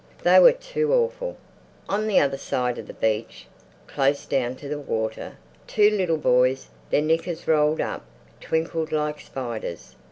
They were too awful. On the other side of the beach, close down to the water, two little boys, their knickers rolled up, twinkled like spiders.